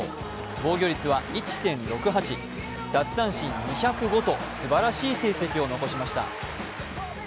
防御率は１．６８、奪三振２０５とすばらしい成績を残しました。